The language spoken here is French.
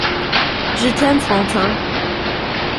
Je t’aime, Frontin !